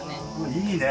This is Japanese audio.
いいね！